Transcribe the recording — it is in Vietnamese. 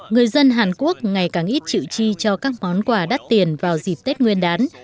người dân hàn quốc ngày càng ít chịu chi cho các món quà đắt tiền vào dịp tết nguyên đán